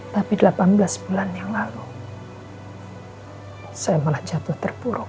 tapi delapan belas bulan yang lalu saya malah jatuh terpuruk